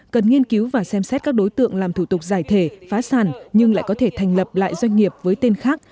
cần nghiên cứu và xem xét các đối tượng làm thủ tục giải thể phá sản nhưng lại có thể thành lập lại doanh nghiệp với tên khác